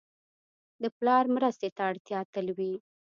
د پلار مرستې ته اړتیا تل وي.